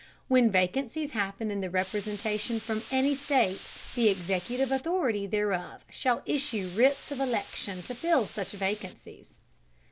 When vacancies happen in the Representation from any State, the Executive Authority thereof shall issue Writs of Election to fill such Vacancies.